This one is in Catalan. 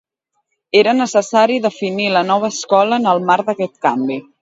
Era necessari definir la nova escola en el marc d'aquest canvi.